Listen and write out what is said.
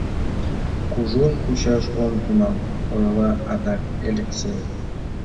— Кужун кучаш ом тӱҥал, — ойла адак Элексей.